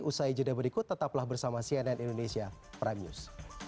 usai jeda berikut tetaplah bersama cnn indonesia prime news